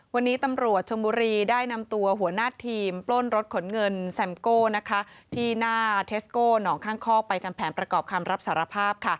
วันนี้ตำรวจชมบุรีได้นำตัวหัวหน้าทีมปล้นรถขนเงินแซมโก้ที่หน้าเทสโก้หนองข้างคอกไปทำแผนประกอบคำรับสารภาพ